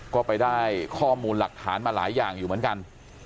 ก็ไปได้ข้อมูลหลักฐานมาหลายอย่างอยู่เหมือนกัน